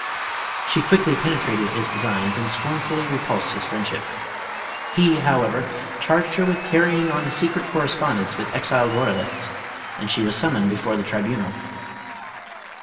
She quickly .penetrated his designs and scornfully repulsed his friendship. He however charged her with carrying on a secret correspondence with exiled royalists, and she. was summoned before the tribunal.